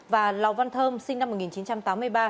và lò văn thơm sinh năm một nghìn chín trăm tám mươi ba